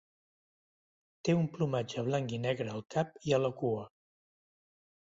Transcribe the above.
Té un plomatge blanc i negre al cap i la cua.